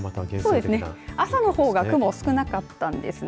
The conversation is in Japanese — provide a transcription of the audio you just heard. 朝の方が雲が少なかったんですね。